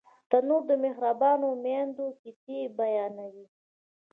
تنور د مهربانو میندو کیسې بیانوي